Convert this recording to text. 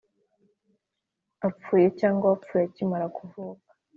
apfuye cyangwa wapfuye akimara kuvuka